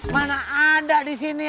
mana ada disini